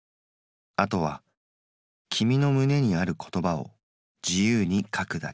あとはきみの胸にある言葉を自由に書くだけ。